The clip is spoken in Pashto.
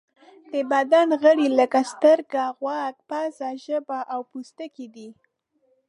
د بدن غړي لکه سترګه، غوږ، پزه، ژبه او پوستکی دي.